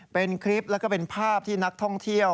เป็นคลิปแล้วก็เป็นภาพที่นักท่องเที่ยว